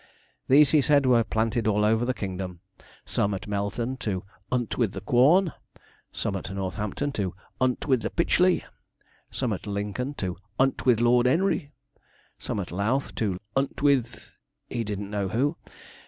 These, he said, were planted all over the kingdom; some at Melton, to ''unt with the Quorn'; some at Northampton, to ''unt with the Pytchley'; some at Lincoln, to ''unt with Lord 'Enry'; and some at Louth, to ''unt with' he didn't know who.